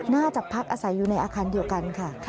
น่าจะพักอาศัยอยู่ในอาคารเดียวกันค่ะ